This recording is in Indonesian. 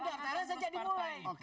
berlaku sejak dua ribu sembilan belas